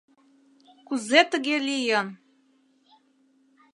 Кузе тыге лийын...